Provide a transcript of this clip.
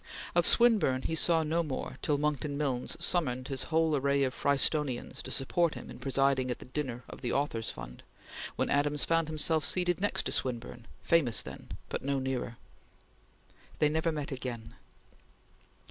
Of Swinburne he saw no more till Monckton Milnes summoned his whole array of Frystonians to support him in presiding at the dinner of the Authors' Fund, when Adams found himself seated next to Swinburne, famous then, but no nearer. They never met again.